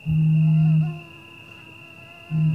په يوه کتاب څوک نه ملا کېږي.